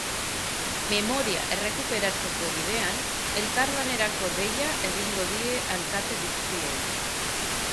Memoria errekuperatzeko bidean, elkarlanerako deia egingo die alkate guztiei.